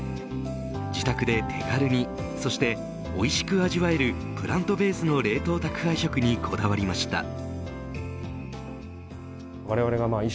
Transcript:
自宅で手軽に、そしておいしく味わえるプラントベースの冷凍宅配食にこだわりました。